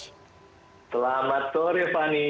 selamat sore fani